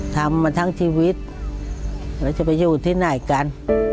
ทำมาทั้งชีวิตแล้วจะไปอยู่ที่ไหนกัน